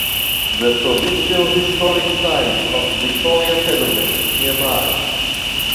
The provincial historic site of Victoria Settlement is nearby.